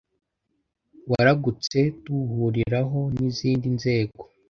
waragutse tuwuhuriraho n’izindi nzego